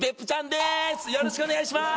でーすよろしくお願いしまーす